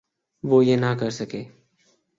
وہ یہ نہ کر سکے۔